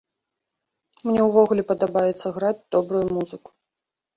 Мне ўвогуле падабаецца граць добрую музыку.